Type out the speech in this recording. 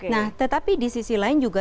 nah tetapi di sisi lain juga